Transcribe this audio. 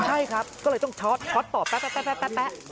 ใช่ครับก็เลยต้องช็อตต่อแป๊ะ